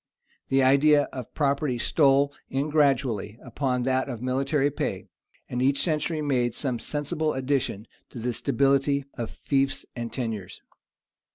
[*] The idea of property stole in gradually upon that of military pay; and each century made some sensible addition to the stability of fiefs and tenures.